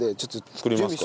作りますか。